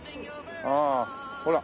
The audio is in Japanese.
ああほら。